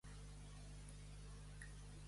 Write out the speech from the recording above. Sempre plou quan es tenen mossos.